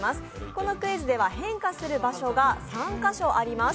このクイズでは変化する場所が３か所あります。